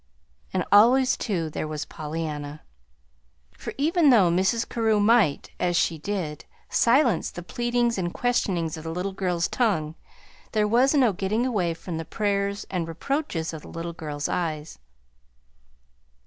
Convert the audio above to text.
And always, too, there was Pollyanna; for even though Mrs. Carew might (as she did) silence the pleadings and questionings of the little girl's tongue, there was no getting away from the prayers and reproaches of the little girl's eyes.